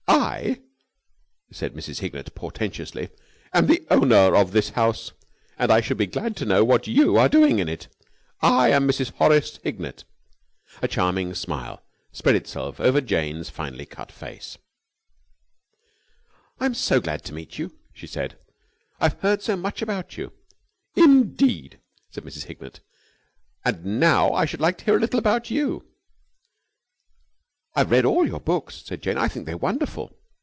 "I," said Mrs. Hignett portentously, "am the owner of this house, and I should be glad to know what you are doing in it. I am Mrs. Horace Hignett." A charming smile spread itself over Jane's finely cut face. "I'm so glad to meet you," she said. "I have heard so much about you." "Indeed?" said Mrs. Hignett. "And now I should like to hear a little about you." "I've read all your books," said Jane. "I think they're wonderful."